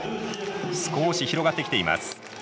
少し広がってきています。